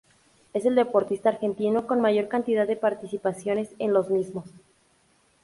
Es el deportista argentino con mayor cantidad de participaciones en los mismos.